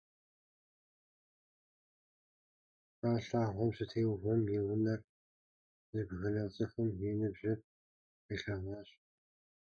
Ар лъагъуэм щытеувэм, и унэр зыбгынэ цӀыхум и ныбжьыр къилъэгъуащ.